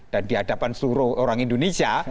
dan di hadapan seluruh orang indonesia